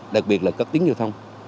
đặc biệt là cất tiếng giao thông